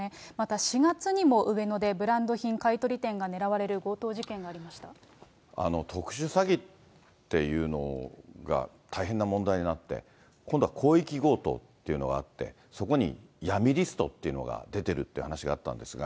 また４月にも上野でブランド品買い取り店が狙われる強盗事件があ特殊詐欺っていうのが大変な問題になって、今度は広域強盗っていうのがあって、そこに闇リストが出てるっていうのがあったんですが。